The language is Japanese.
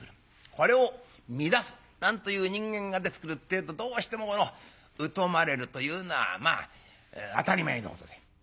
これを乱すなんという人間が出てくるってえとどうしてもこの疎まれるというのはまあ当たり前のことで。